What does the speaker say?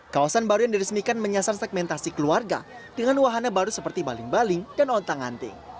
kawasan baru yang diresmikan menyasar segmentasi keluarga dengan wahana baru seperti baling baling dan ontang anting